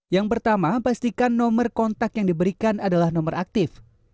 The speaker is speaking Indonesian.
yang pertama pastikan nomor kontak yang diberikan adalah nomor aktif